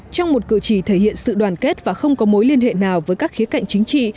trong một cử chỉ thể hiện sự đoàn kết và không có mối liên hệ nào với các khía cạnh chính trị